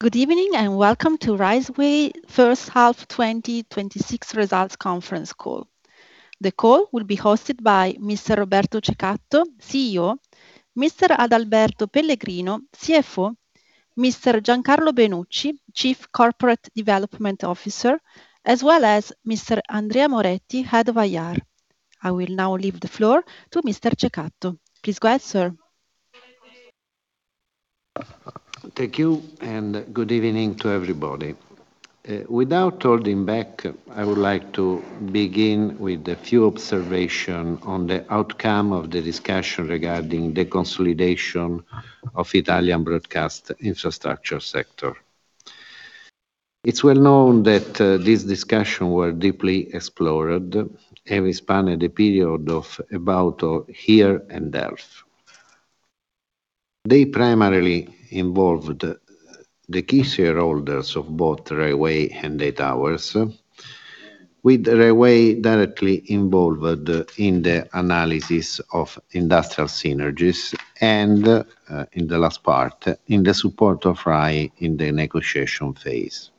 Good evening, welcome to Rai Way First Half 2026 Results Conference Call. The call will be hosted by Mr. Roberto Cecatto, Chief Executive Officer, Mr. Adalberto Pellegrino, Chief Financial Officer, Mr. Giancarlo Benucci, Chief Corporate Development Officer, as well as Mr. Andrea Moretti, Head of IR. I will now leave the floor to Mr. Cecatto. Please go ahead, sir. Thank you, good evening to everybody. Without holding back, I would like to begin with a few observation on the outcome of the discussion regarding the consolidation of Italian broadcast infrastructure sector. It's well known that these discussion were deeply explored and spanned a period of about a year and half. They primarily involved the key shareholders of both Rai Way and EI Towers, with Rai Way directly involved in the analysis of industrial synergies and, in the last part, in the support of RAI in the negotiation phase.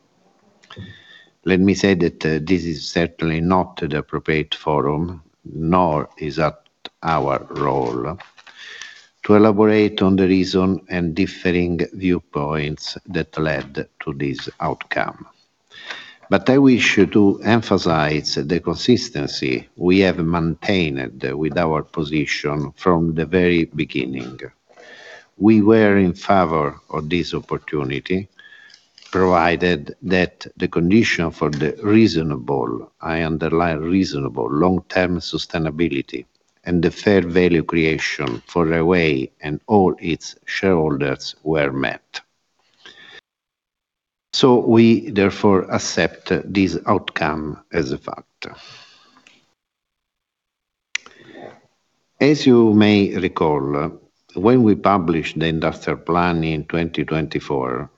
Let me say that this is certainly not the appropriate forum, nor is that our role, to elaborate on the reason and differing viewpoints that led to this outcome. I wish to emphasize the consistency we have maintained with our position from the very beginning. We were in favor of this opportunity, provided that the condition for the reasonable, I underline reasonable, long-term sustainability and the fair value creation for Rai Way and all its shareholders were met. We therefore accept this outcome as a fact. As you may recall, when we published the industrial plan in 2024,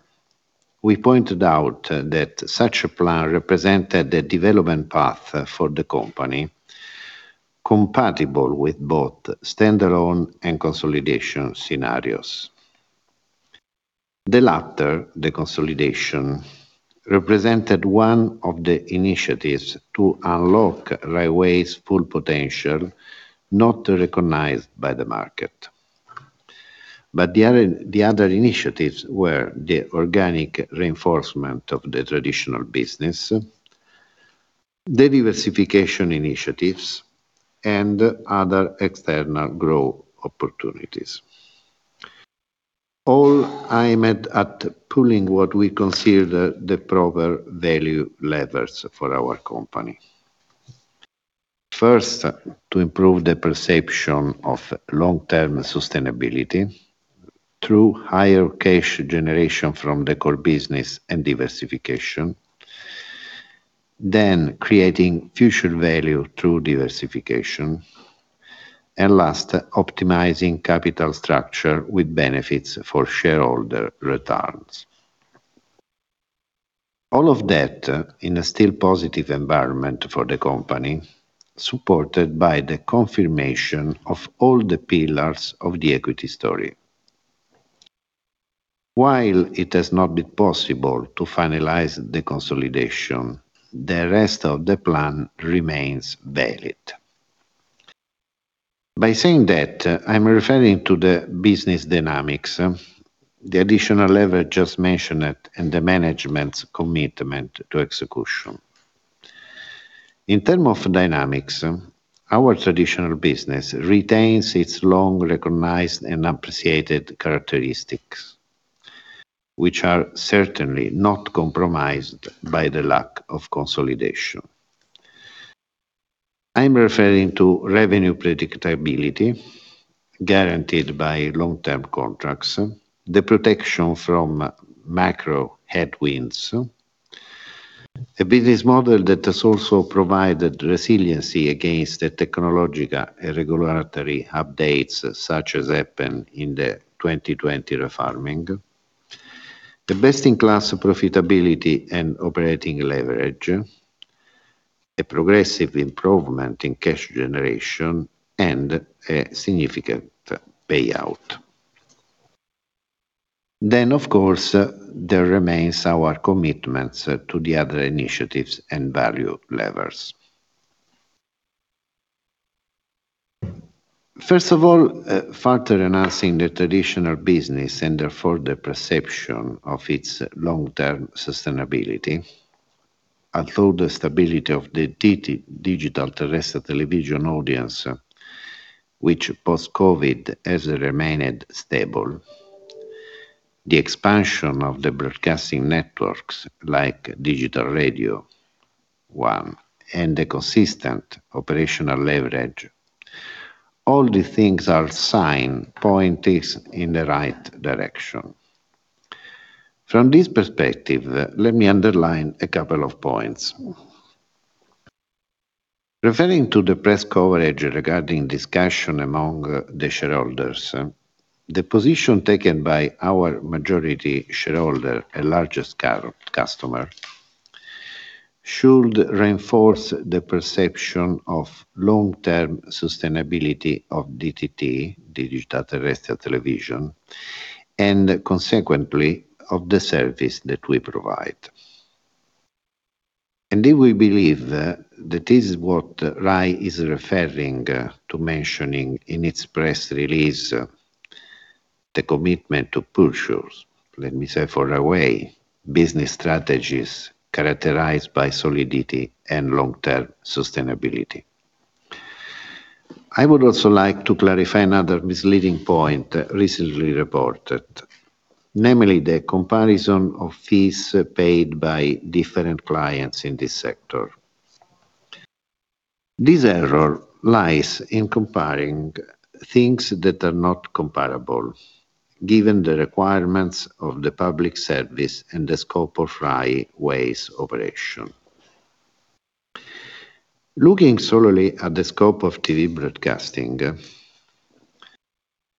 we pointed out that such a plan represented a development path for the company, compatible with both standalone and consolidation scenarios. The latter, the consolidation, represented one of the initiatives to unlock Rai Way's full potential not recognized by the market. The other initiatives were the organic reinforcement of the traditional business, the diversification initiatives, and other external growth opportunities. All aimed at pulling what we consider the proper value levers for our company. First, to improve the perception of long-term sustainability through higher cash generation from the core business and diversification. Creating future value through diversification. Last, optimizing capital structure with benefits for shareholder returns. All of that in a still positive environment for the company, supported by the confirmation of all the pillars of the equity story. While it has not been possible to finalize the consolidation, the rest of the plan remains valid. By saying that, I'm referring to the business dynamics, the additional lever just mentioned, and the management's commitment to execution. In term of dynamics, our traditional business retains its long-recognized and appreciated characteristics, which are certainly not compromised by the lack of consolidation. I'm referring to revenue predictability guaranteed by long-term contracts, the protection from macro headwinds, a business model that has also provided resiliency against the technological and regulatory updates such as happened in the 2020 refarming. The best-in-class profitability and operating leverage, a progressive improvement in cash generation, a significant payout. Of course, there remains our commitments to the other initiatives and value levers. First of all, further enhancing the traditional business and therefore the perception of its long-term sustainability. Although the stability of the digital terrestrial television audience, which post-COVID has remained stable, the expansion of the broadcasting networks like Digital Radio One, and the consistent operational leverage, all these things are sign pointing in the right direction. From this perspective, let me underline a couple of points. Referring to the press coverage regarding discussion among the shareholders, the position taken by our majority shareholder and largest customer should reinforce the perception of long-term sustainability of DTT, digital terrestrial television, and consequently, of the service that we provide. We believe that this is what Rai is referring to mentioning in its press release, the commitment to pursue, let me say, for Rai Way, business strategies characterized by solidity and long-term sustainability. I would also like to clarify another misleading point recently reported, namely the comparison of fees paid by different clients in this sector. This error lies in comparing things that are not comparable given the requirements of the public service and the scope of Rai Way's operation. Looking solely at the scope of TV broadcasting,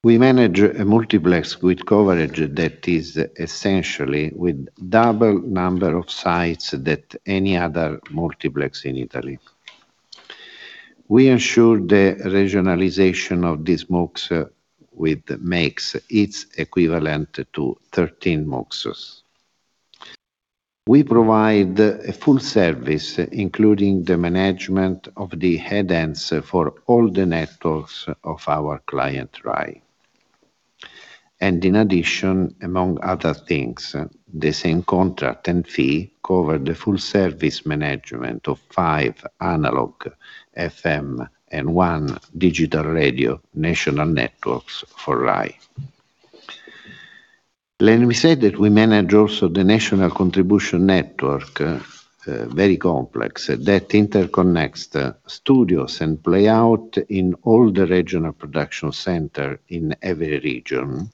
we manage a multiplex with coverage that is essentially with double number of sites that any other multiplex in Italy. We ensure the regionalization of these MUXes with MUX is equivalent to 13 MUXes. We provide a full service, including the management of the headends for all the networks of our client, Rai. In addition, among other things, the same contract and fee cover the full service management of five analog FM and one digital radio national networks for Rai. Let me say that we manage also the national contribution network, very complex, that interconnects the studios and play out in all the regional production center in every region,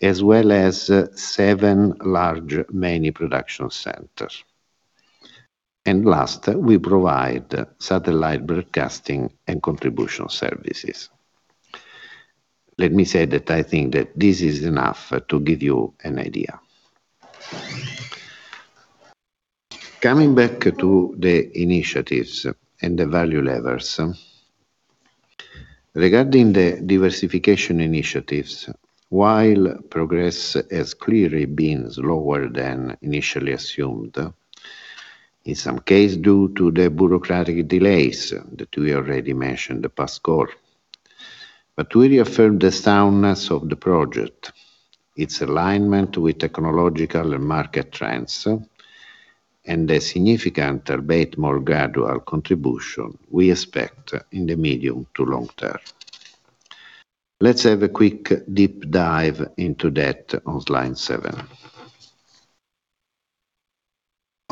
as well as seven large mini production centers. Last, we provide satellite broadcasting and contribution services. Let me say that I think that this is enough to give you an idea. Coming back to the initiatives and the value levers. Regarding the diversification initiatives, while progress has clearly been slower than initially assumed, in some case, due to the bureaucratic delays that we already mentioned the past call. We reaffirmed the soundness of the project, its alignment with technological and market trends, and the significant albeit more gradual contribution we expect in the medium to long term. Let's have a quick deep dive into that on slide seven.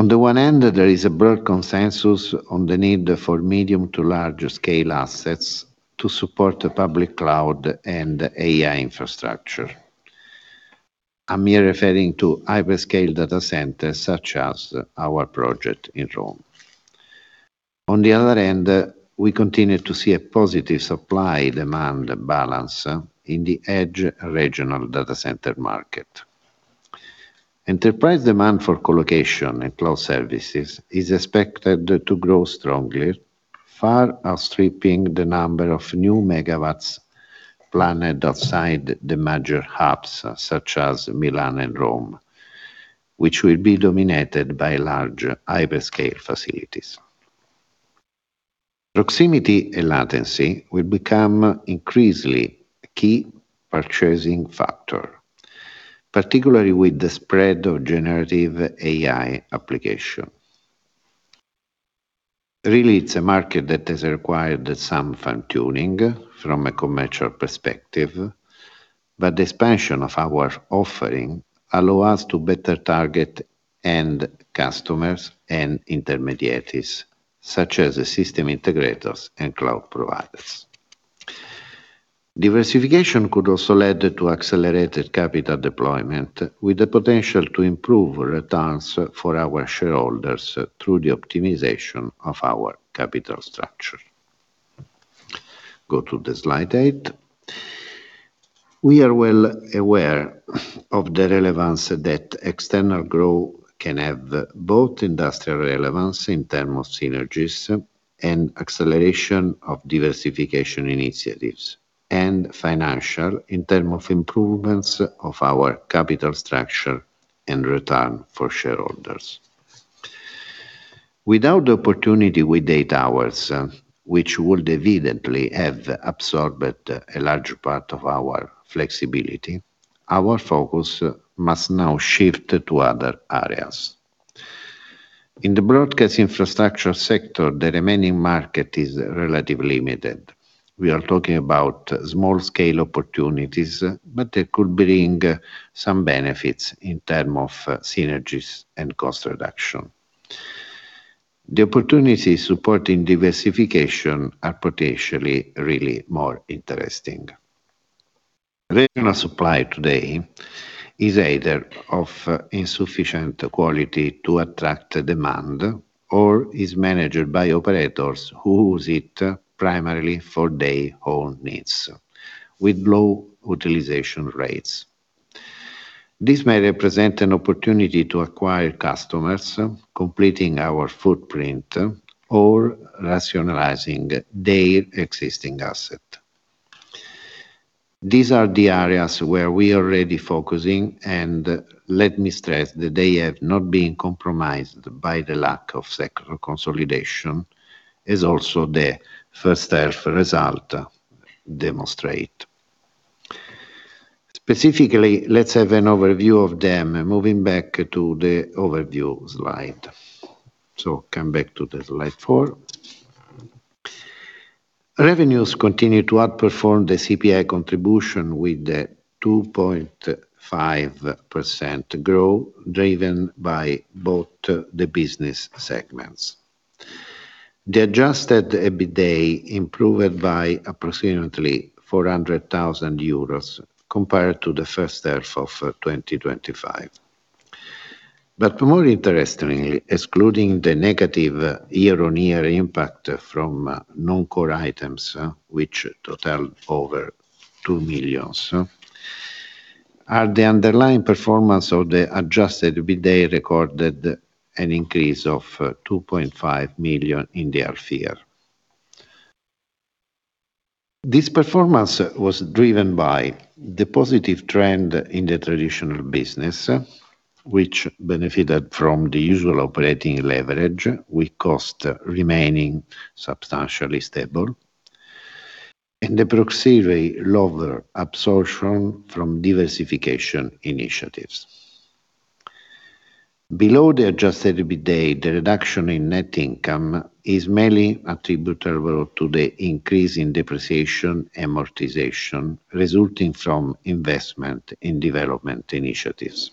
On the one end, there is a broad consensus on the need for medium to large scale assets to support the public cloud and AI infrastructure. I'm here referring to hyperscale data centers such as our project in Rome. On the other hand, we continue to see a positive supply-demand balance in the edge regional data center market. Enterprise demand for co-location and cloud services is expected to grow strongly, far outstripping the number of new megawatts planned outside the major hubs such as Milan and Rome, which will be dominated by large hyperscale facilities. Proximity and latency will become increasingly key purchasing factor, particularly with the spread of generative AI application. Really, it's a market that has required some fine-tuning from a commercial perspective, but the expansion of our offering allow us to better target end customers and intermediaries, such as system integrators and cloud providers. Diversification could also lead to accelerated capital deployment with the potential to improve returns for our shareholders through the optimization of our capital structure. Go to the slide eight. We are well aware of the relevance that external growth can have both industrial relevance in term of synergies and acceleration of diversification initiatives, and financial in terms of improvements of our capital structure and return for shareholders. Without the opportunity with EI Towers, which would evidently have absorbed a large part of our flexibility, our focus must now shift to other areas. In the broadcast infrastructure sector, the remaining market is relatively limited. We are talking about small scale opportunities, but they could bring some benefits in term of synergies and cost reduction. The opportunities supporting diversification are potentially really more interesting. Regional supply today is either of insufficient quality to attract the demand or is managed by operators who use it primarily for their own needs with low utilization rates. This may represent an opportunity to acquire customers, completing our footprint or rationalizing their existing asset. These are the areas where we're already focusing, and let me stress that they have not been compromised by the lack of consolidation, as also the first half result demonstrate. Specifically, let's have an overview of them, moving back to the overview slide. Come back to the slide four. Revenues continued to outperform the CPI contribution with the 2.5% growth, driven by both the business segments. The adjusted EBITDA improved by approximately 400,000 euros compared to the first half of 2025. More interestingly, excluding the negative year-on-year impact from non-core items, which total over 2 million, are the underlying performance of the adjusted EBITDA recorded an increase of 2.5 million in the half year. This performance was driven by the positive trend in the traditional business, which benefited from the usual operating leverage, with cost remaining substantially stable and the proxy rate lower absorption from diversification initiatives. Below the adjusted EBITDA, the reduction in net income is mainly attributable to the increase in depreciation amortization resulting from investment in development initiatives.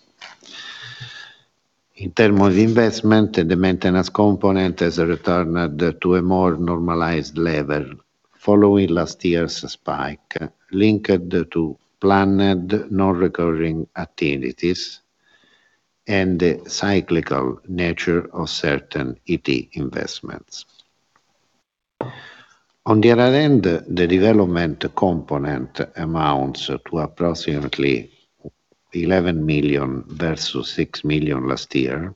In terms of investment, the maintenance component has returned to a more normalized level following last year's spike linked to planned non-recurring activities and the cyclical nature of certain IT investments. On the other hand, the development component amounts to approximately 11 million versus 6 million last year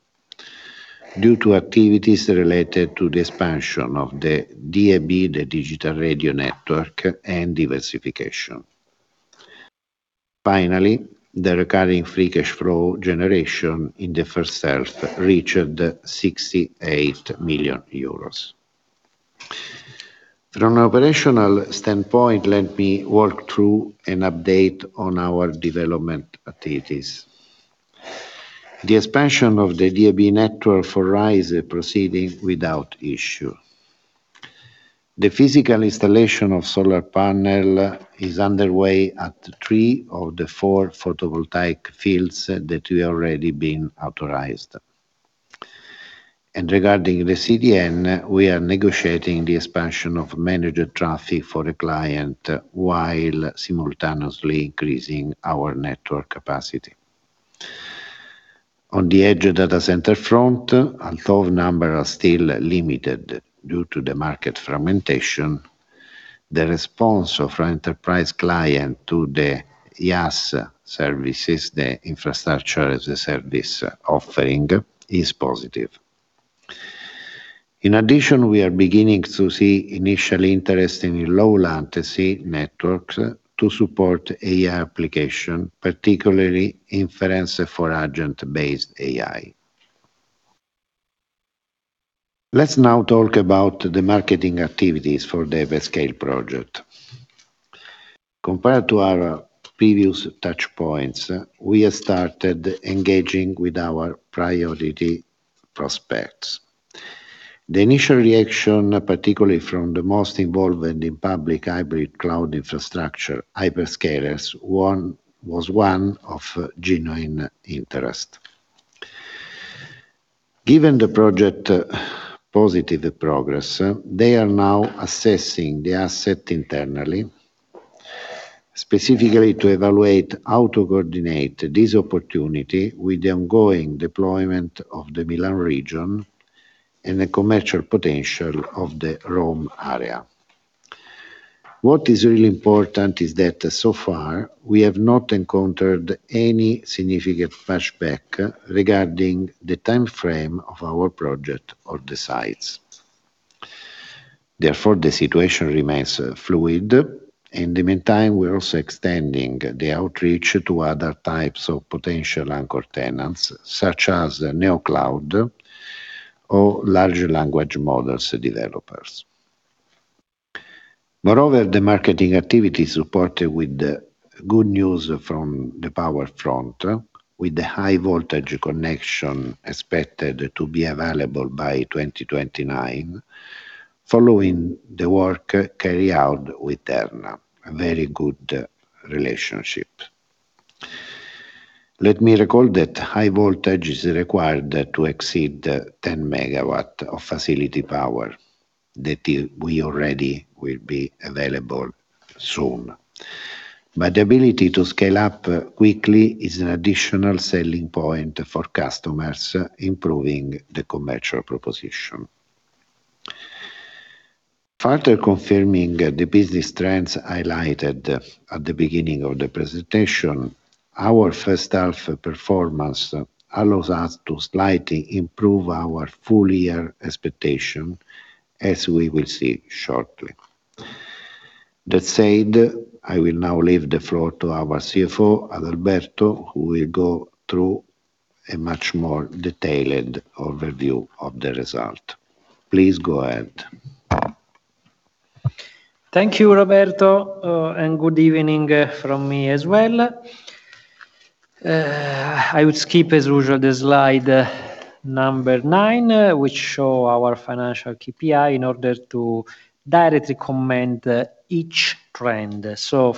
due to activities related to the expansion of the DAB, the digital radio network, and diversification. Finally, the recurring free cash flow generation in the first half reached 68 million euros. From an operational standpoint, let me walk through an update on our development activities. The expansion of the DAB network for Rai Way proceeding without issue. The physical installation of solar panel is underway at three of the four photovoltaic fields that we already been authorized. Regarding the CDN, we are negotiating the expansion of managed traffic for the client while simultaneously increasing our network capacity. On the edge data center front, although numbers are still limited due to the market fragmentation, the response of our enterprise client to the IaaS services, the Infrastructure as a service offering, is positive. We are beginning to see initial interest in low latency networks to support AI application, particularly inference for agent-based AI. Let's now talk about the marketing activities for the hyperscale project. Compared to our previous touch points, we have started engaging with our priority prospects. The initial reaction, particularly from the most involved in the public hybrid cloud infrastructure hyperscalers, was one of genuine interest. Given the project positive progress, they are now assessing the asset internally, specifically to evaluate how to coordinate this opportunity with the ongoing deployment of the Milan region and the commercial potential of the Rome area. What is really important is that so far, we have not encountered any significant pushback regarding the time frame of our project or the sites. The situation remains fluid. In the meantime, we're also extending the outreach to other types of potential anchor tenants, such as the Neocloud or large language models developers. The marketing activity is supported with good news from the power front, with the high voltage connection expected to be available by 2029 following the work carried out with Terna. A very good relationship. Let me recall that high voltage is required to exceed 10 MW of facility power that will already be available soon. The ability to scale up quickly is an additional selling point for customers, improving the commercial proposition. Further confirming the business trends highlighted at the beginning of the presentation, our first half performance allows us to slightly improve our full year expectation, as we will see shortly. That said, I will now leave the floor to our Chief Financial Officer, Adalberto, who will go through a much more detailed overview of the result. Please go ahead. Thank you, Roberto, and good evening from me as well. I would skip, as usual, the slide number nine, which show our financial KPI in order to directly comment each trend.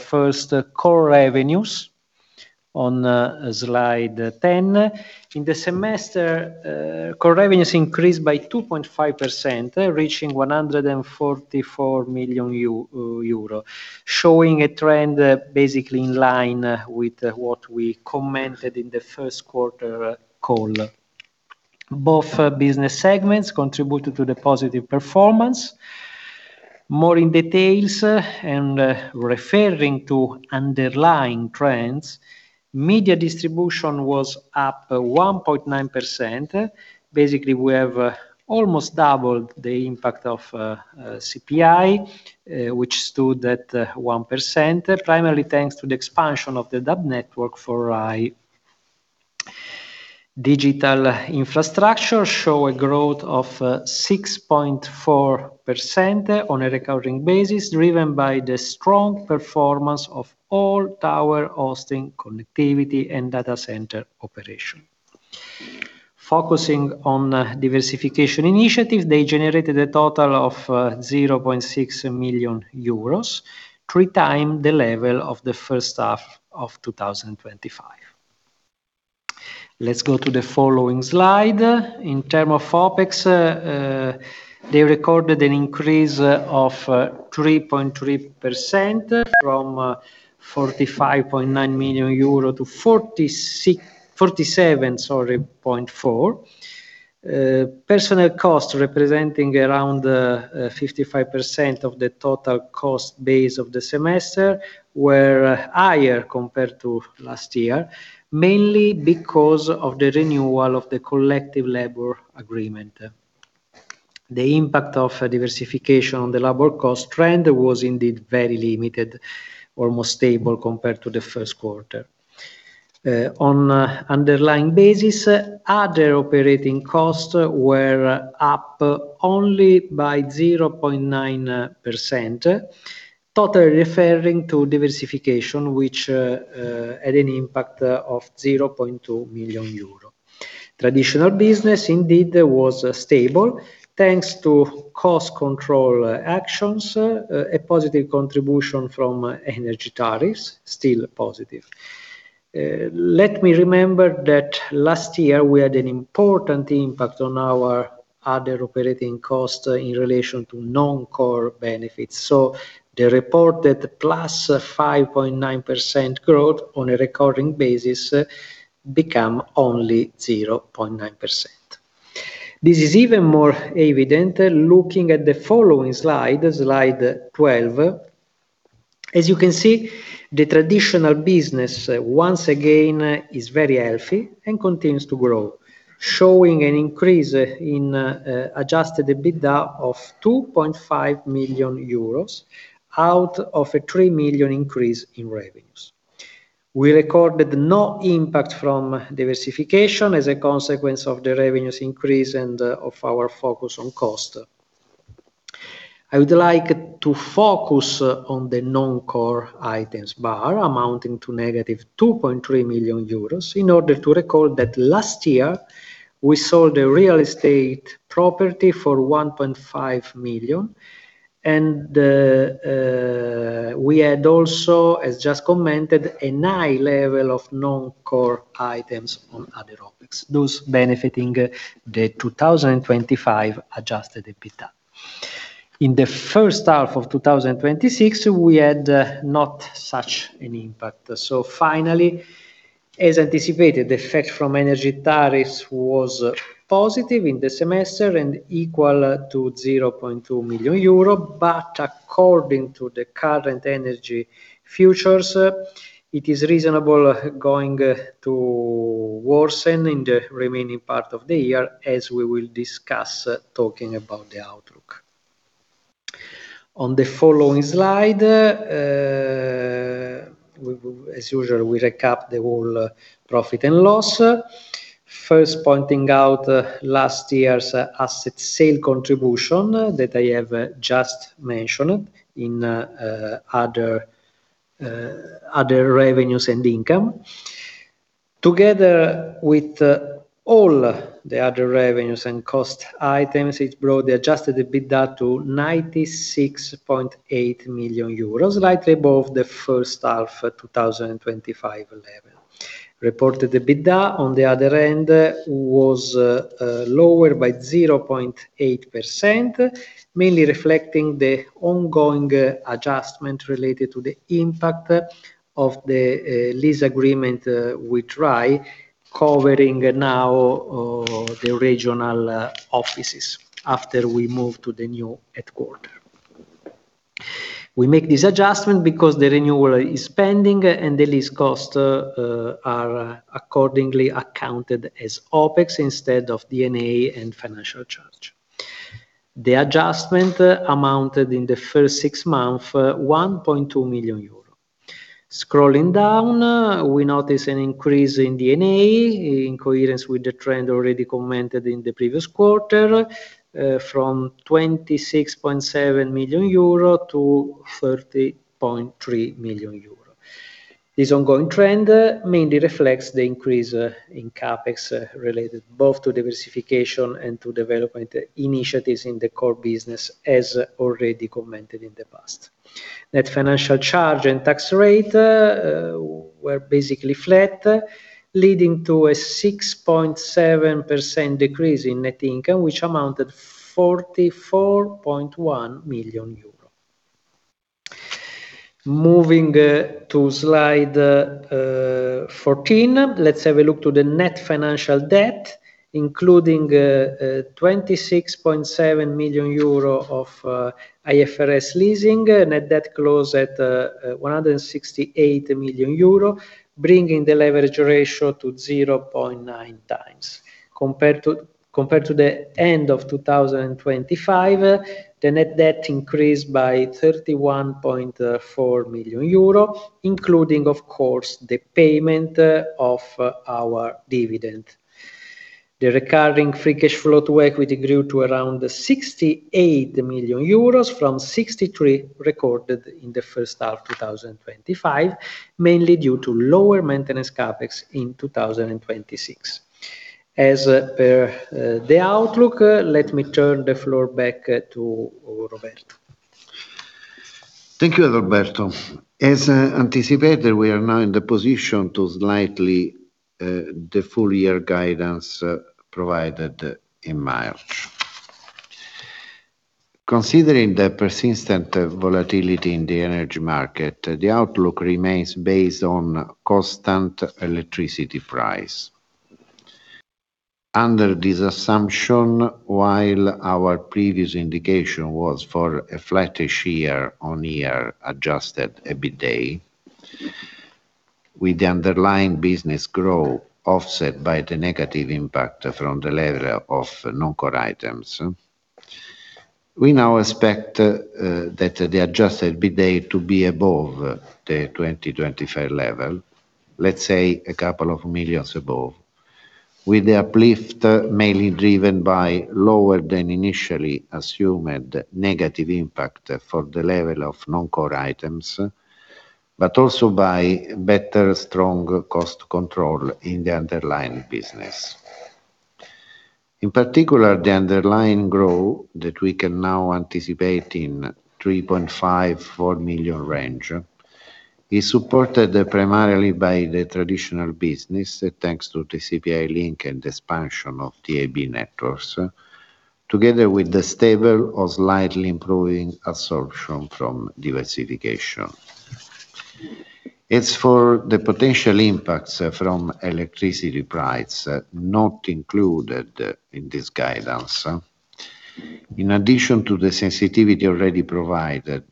First, core revenues on slide 10. In the semester, core revenues increased by 2.5%, reaching 144 million euro, showing a trend basically in line with what we commented in the first quarter call. Both business segments contributed to the positive performance. More in details and referring to underlying trends, Media Distribution was up 1.9%. Basically, we have almost doubled the impact of CPI, which stood at 1%, primarily thanks to the expansion of the DAB network for Rai. Digital Infrastructure show a growth of 6.4% on a recurring basis, driven by the strong performance of all tower hosting connectivity and data center operation. Focusing on diversification initiatives, they generated a total of 0.6 million euros, three times the level of the first half of 2025. Let's go to the following slide. In term of OpEx, they recorded an increase of 3.3% from 45.9 million euro to 47.4 million. Personnel cost, representing around 55% of the total cost base of the semester, were higher compared to last year, mainly because of the renewal of the collective labor agreement. The impact of diversification on the labor cost trend was indeed very limited, almost stable compared to the first quarter. On underlying basis, other operating costs were up only by 0.9%, totally referring to diversification, which had an impact of 0.2 million euro. Traditional business indeed was stable, thanks to cost control actions, a positive contribution from energy tariffs, still positive. Let me remember that last year we had an important impact on our other operating cost in relation to non-core benefits. So the reported +5.9% growth on a recurring basis become only 0.9%. This is even more evident looking at the following slide 12. As you can see, the traditional business once again is very healthy and continues to grow, showing an increase in adjusted EBITDA of 2.5 million euros out of a 3 million increase in revenues. We recorded no impact from diversification as a consequence of the revenues increase and of our focus on cost. I would like to focus on the non-core items bar, amounting to -2.3 million euros, in order to recall that last year, we sold a real estate property for 1.5 million, and we had also, as just commented, a high level of non-core items on other OpEx, those benefiting the 2025 adjusted EBITDA. In the first half of 2026, we had not such an impact. So finally, as anticipated, the effect from energy tariffs was positive in the semester and equal to 0.2 million euro. But according to the current energy futures, it is reasonable going to worsen in the remaining part of the year, as we will discuss talking about the outlook. On the following slide, as usual, we recap the whole profit and loss. First, pointing out last year's asset sale contribution that I have just mentioned in other revenues and income. Together with all the other revenues and cost items, it brought the adjusted EBITDA to 96.8 million euros, slightly above the first half 2025 level. Reported EBITDA, on the other hand, was lower by 0.8%, mainly reflecting the ongoing adjustment related to the impact of the lease agreement with Rai, covering now the regional offices after we moved to the new headquarter. We make this adjustment because the renewal is pending, and the lease costs are accordingly accounted as OpEx instead of D&A and financial charge. The adjustment amounted, in the first six months, 1.2 million euro. Scrolling down, we notice an increase in D&A, in coherence with the trend already commented in the previous quarter, from 26.7 million euro to 30.3 million euro. This ongoing trend mainly reflects the increase in CapEx related both to diversification and to development initiatives in the core business, as already commented in the past. Net financial charge and tax rate were basically flat, leading to a 6.7% decrease in net income, which amounted 44.1 million euro. Moving to slide 14, let's have a look to the net financial debt, including 26.7 million euro of IFRS leasing, net debt closed at 168 million euro, bringing the leverage ratio to 0.9x. Compared to the end of 2025, the net debt increased by 31.4 million euro, including, of course, the payment of our dividend. The recurring free cash flow to equity grew to around 68 million euros from 63 million recorded in the first half 2025, mainly due to lower maintenance CapEx in 2026. As per the outlook, let me turn the floor back to Roberto. Thank you, Adalberto. As anticipated, we are now in the position to slightly the full year guidance provided in March. Considering the persistent volatility in the energy market, the outlook remains based on constant electricity price. Under this assumption, while our previous indication was for a flattish year-on-year adjusted EBITDA, with the underlying business growth offset by the negative impact from the level of non-core items, we now expect that the adjusted EBITDA to be above the 2025 level, let's say a couple of millions above. With the uplift mainly driven by lower than initially assumed negative impact for the level of non-core items, also by better strong cost control in the underlying business. In particular, the underlying growth that we can now anticipate in 3.5 million-4 million range is supported primarily by the traditional business, thanks to the CPI link and expansion of DAB networks, together with the stable or slightly improving absorption from diversification. As for the potential impacts from electricity price, not included in this guidance. In addition to the sensitivity already provided,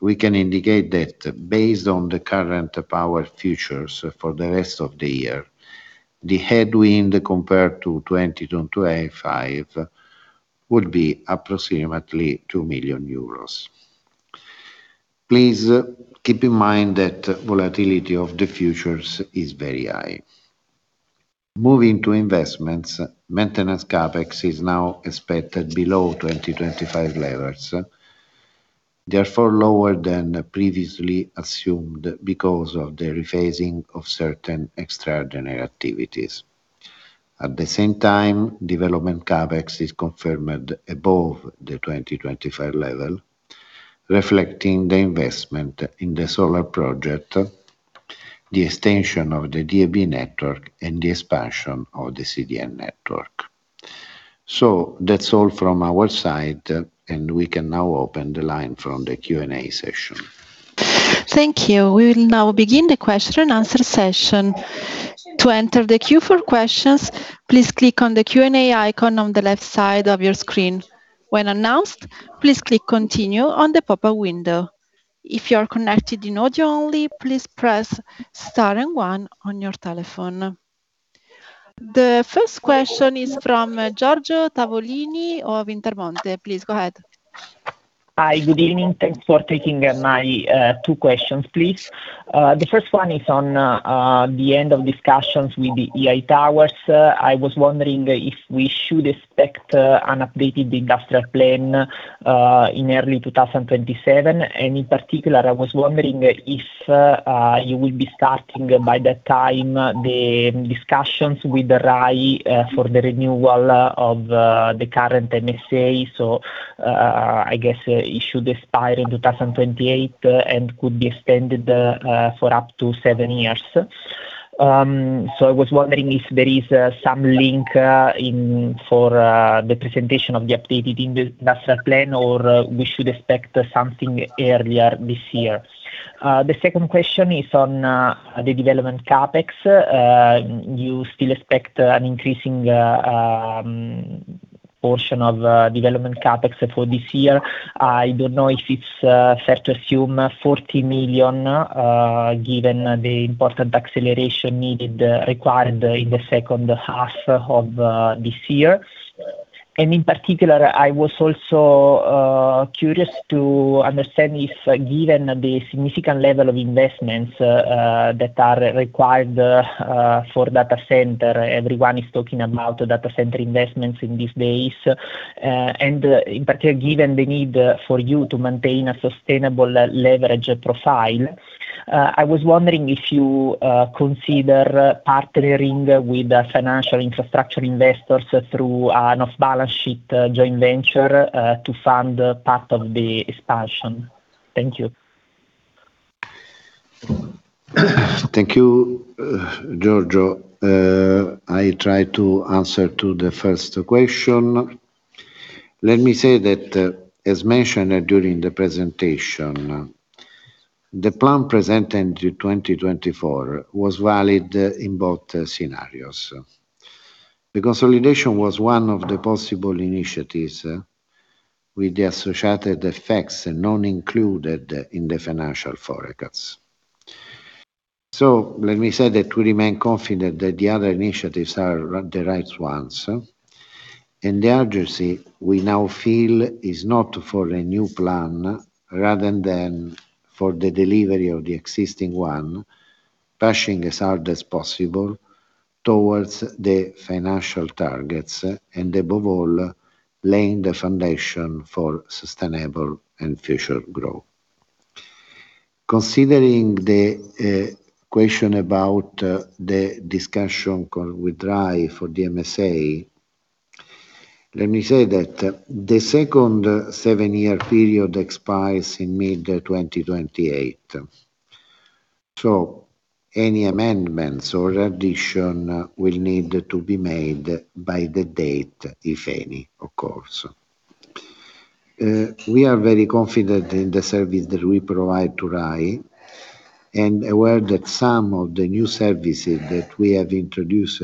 we can indicate that based on the current power futures for the rest of the year, the headwind compared to 2025 would be approximately 2 million euros. Please keep in mind that volatility of the futures is very high. Moving to investments, maintenance CapEx is now expected below 2025 levels, therefore lower than previously assumed because of the rephasing of certain extraordinary activities. At the same time, development CapEx is confirmed above the 2025 level, reflecting the investment in the solar project, the extension of the DAB network, and the expansion of the CDN network. That's all from our side, and we can now open the line from the Q&A session. Thank you. We will now begin the question and answer session. To enter the queue for questions, please click on the Q&A icon on the left side of your screen. When announced, please click continue on the pop-up window. If you are connected in audio only, please press star and one on your telephone. The first question is from Giorgio Tavolini of Intermonte. Please go ahead. Hi. Good evening. Thanks for taking my two questions, please. The first one is on the end of discussions with EI Towers. I was wondering if we should expect an updated industrial plan, in early 2027. In particular, I was wondering if you will be starting by that time, the discussions with Rai for the renewal of the current MSA. I guess it should expire in 2028, and could be extended for up to seven years. I was wondering if there is some link for the presentation of the updated industrial plan, or we should expect something earlier this year? The second question is on the development CapEx. You still expect an increasing portion of development CapEx for this year? I don't know if it's fair to assume 40 million, given the important acceleration required in the second half of this year. In particular, I was also curious to understand if, given the significant level of investments that are required for data center, everyone is talking about data center investments in these days, and in particular, given the need for you to maintain a sustainable leverage profile, I was wondering if you consider partnering with financial infrastructure investors through an off-balance sheet joint venture to fund part of the expansion. Thank you. Thank you, Giorgio. I try to answer to the first question. Let me say that as mentioned during the presentation, the plan presented in 2024 was valid in both scenarios. The consolidation was one of the possible initiatives with the associated effects not included in the financial forecasts. Let me say that we remain confident that the other initiatives are the right ones, and the urgency we now feel is not for a new plan rather than for the delivery of the existing one, pushing as hard as possible towards the financial targets, and above all, laying the foundation for sustainable and future growth. Considering the question about the discussion with Rai for the MSA, let me say that the second seven-year period expires in mid-2028, so any amendments or addition will need to be made by the date, if any, of course. We are very confident in the service that we provide to Rai and aware that some of the new services that we have introduced,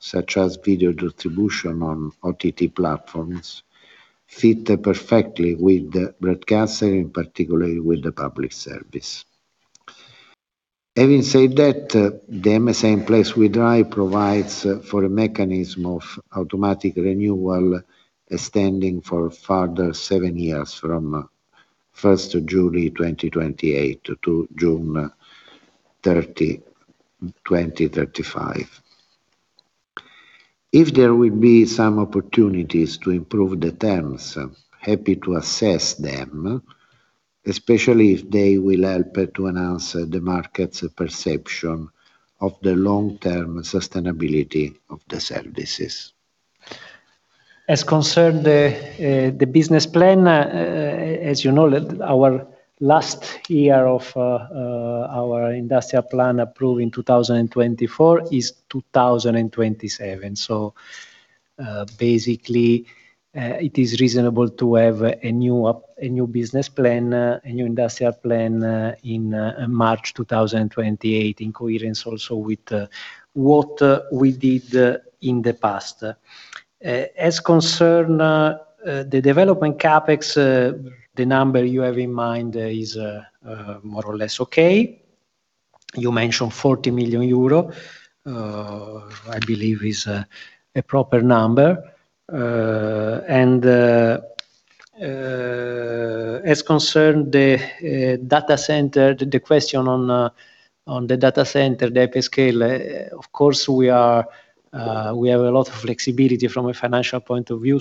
such as video distribution on OTT platforms, fit perfectly with the broadcaster, and particularly with the public service. Having said that, the MSA in place with Rai provides for a mechanism of automatic renewal extending for further seven years, from 1st July 2028 to July 30, 2035. If there will be some opportunities to improve the terms, happy to assess them, especially if they will help to enhance the market's perception of the long-term sustainability of the services. As concerned the business plan, as you know, our last year of our industrial plan approved in 2024 is 2027. Basically, it is reasonable to have a new business plan, a new industrial plan, in March 2028 in coherence also with what we did in the past. As concern the development CapEx, the number you have in mind is more or less okay. You mentioned 40 million euro, I believe is a proper number. As concerned the data center, the question on the data center, the hyperscale, of course we have a lot of flexibility from a financial point of view.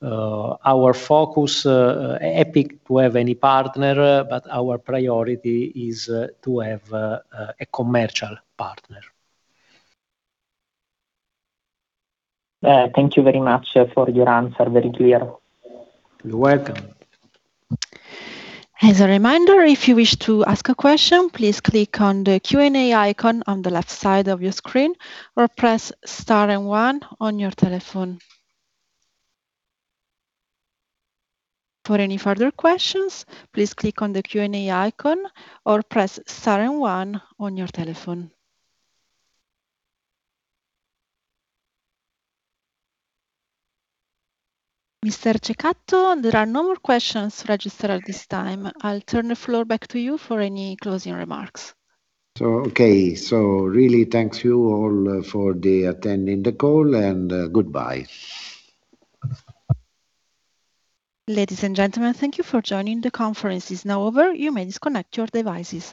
Our focus, happy to have any partner, but our priority is to have a commercial partner. Thank you very much for your answer. Very clear. You're welcome. As a reminder, if you wish to ask a question, please click on the Q&A icon on the left side of your screen or press star and one on your telephone. For any further questions, please click on the Q&A icon or press star and one on your telephone. Mr. Cecatto, there are no more questions registered at this time. I'll turn the floor back to you for any closing remarks. Okay. Really, thank you all for attending the call, and goodbye. Ladies and gentlemen, thank you for joining. The conference is now over. You may disconnect your devices.